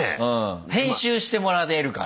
編集してもらえるから。